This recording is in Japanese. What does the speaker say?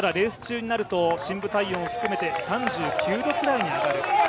ただレース中になると深部体温を含めて３９度ぐらいに上がる。